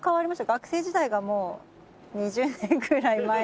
学生時代がもう２０年ぐらい前。